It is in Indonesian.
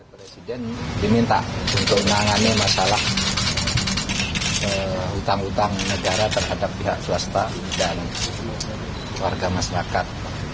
presiden diminta untuk menangani masalah utang utang negara terhadap pihak swasta dan warga masyarakat